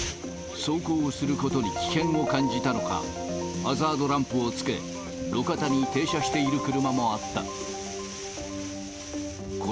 走行をすることに危険を感じたのか、ハザードランプをつけ、路肩に停車している車もあった。